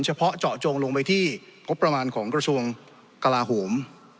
เฉพาะเจาะจงลงไปที่งบประมาณของกระทรวงกลาโหม